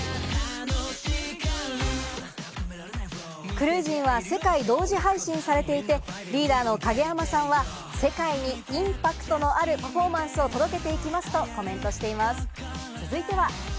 『ＣＲＵＩＳＩＮ’』は世界同時配信されていて、リーダーの影山さんは世界にインパクトのあるパフォーマンスを届けていきますとコメントしています。